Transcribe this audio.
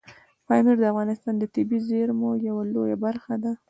پامیر د افغانستان د طبیعي زیرمو یوه لویه برخه ده.